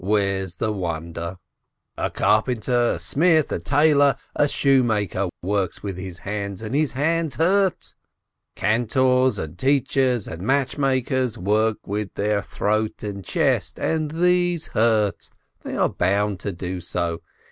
Where's the wonder? A carpenter, 230 LERNER a smith, a tailor, a shoemaker works with his hands, and his hands hurt. Cantors and teachers and match makers work with their throat and chest, and these hurt, they are bound to do so.